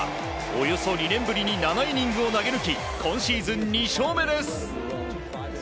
およそ２年ぶりに７イニングを投げ抜き今シーズン２勝目です。